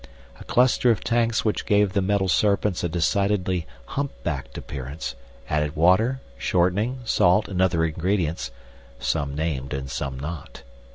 A cluster of tanks which gave the metal serpents a decidedly humpbacked appearance added water, shortening, salt and other ingredients, some named and some not.